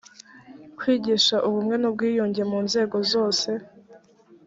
kwigisha ubumwe n’ubwiyunge mu nzego zosee